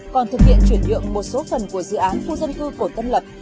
còn thực hiện chuyển nhượng một số phần của dự án khu dân cư cổ tân lập